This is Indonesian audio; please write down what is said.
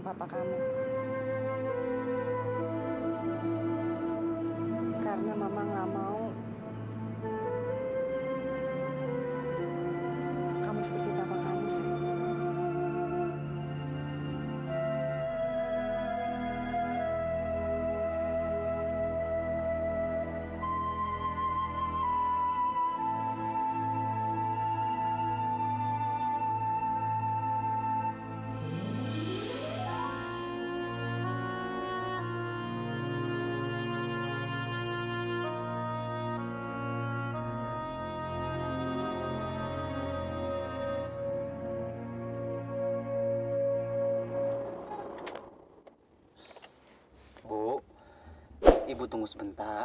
bu ibu tunggu sebentar